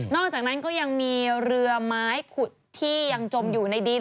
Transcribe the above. อกจากนั้นก็ยังมีเรือไม้ขุดที่ยังจมอยู่ในดิน